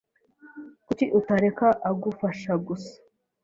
Kuki utareka agufasha gusa?